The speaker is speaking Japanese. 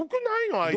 あいつ。